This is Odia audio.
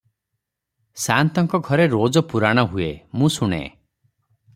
ସାଆନ୍ତଙ୍କ ଘରେ ରୋଜ ପୁରାଣ ହୁଏ, ମୁଁ ଶୁଣେ ।